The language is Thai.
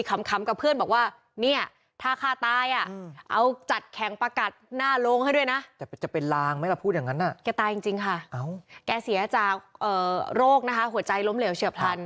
แกเสียจากโรคนาห่าหัวใจล้มเหลวเชือกพลัน